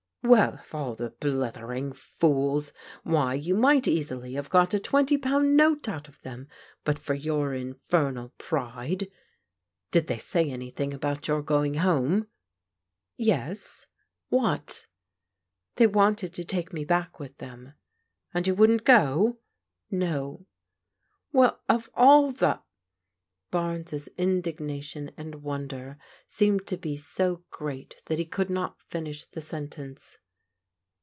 "Well, of all the blithering fools! Why, you might easily have got a twenty pound note out of them, but for your infernal pride. Did they say Bnytbing about your going home ?"" Yes." "What?" " They wanted to take me back with them." " And you wouldn't go ?" 1 =. 296 PRODIGAL DAUGHTEBS •* Wen, of all the *" Barnes' indignation and wonder seemed to be so great tfiat he could not finish the sentence.